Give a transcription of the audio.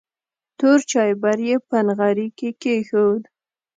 تور چایبر یې په نغري کې کېښود.